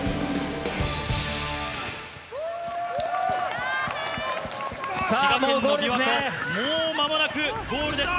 さあ、滋賀県のびわ湖、もうまもなくゴールです。